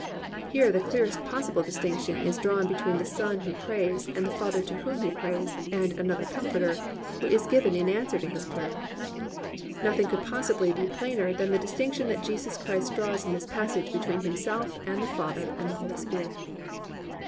"+ Here the clearest possible distinction is drawn between the Son who prays, and the Father to whom He prays, and "another Comforter," who is given in answer to His prayer. Nothing could possibly be plainer than the distinction that Jesus Christ draws in this passage between Himself and the Father and the Holy Spirit.